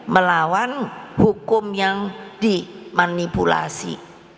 melawan hukum yang dimanipulasi